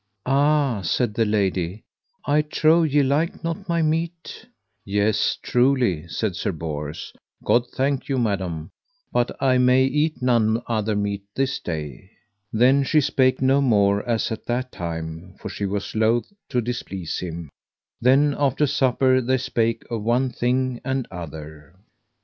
Ah, said the lady, I trow ye like not my meat. Yes, truly, said Sir Bors, God thank you, madam, but I may eat none other meat this day. Then she spake no more as at that time, for she was loath to displease him. Then after supper they spake of one thing and other.